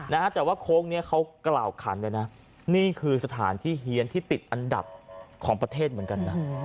นะฮะแต่ว่าโค้งเนี้ยเขากล่าวขันเลยนะนี่คือสถานที่เฮียนที่ติดอันดับของประเทศเหมือนกันนะ